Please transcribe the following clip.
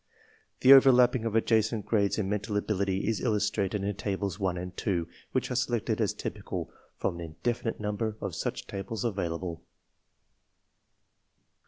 /~The overlapping of adjacent grades in mental ability is illustrated in Tables 1 and 2, which are selected as typical from an indefinite number of such tables avail able.